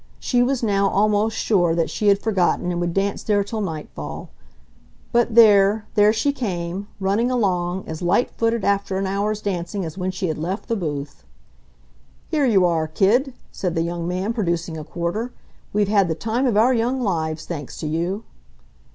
She was now almost sure that she had forgotten and would dance there till nightfall. But there, there she came, running along, as light footed after an hour's dancing as when she had left the booth. "Here you are, kid," said the young man, producing a quarter. "We've had the time of our young lives, thanks to you."